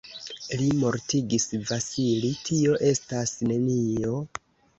Li mortigis Vasili, tio estas nenio.